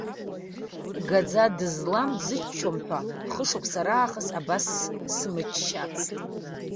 Гаӡа дызлам дзыччом ҳәа, хышықәса раахыс абас сымччацт.